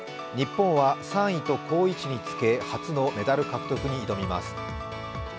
日本は３位と好位置につけ初のメダル獲得に挑みます。